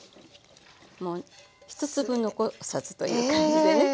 もう一粒残さずという感じでね